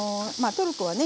トルコはね